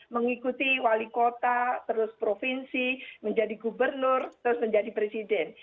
mengikuti wali kota terus provinsi menjadi gubernur terus menjadi presiden